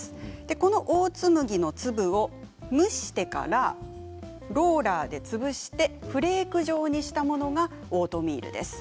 このオーツ麦の粒を蒸してからローラーでつぶしてフレーク状にしたものがオートミールです。